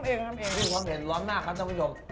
แล้วก็มีความหอมของปลาร้ามากครับท่านผู้โชค